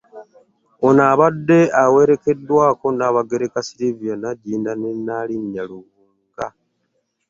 Ono abadde awerekeddwako Nnaabagereka Sylvia Nagginda ne Nnaalinnya Lubuga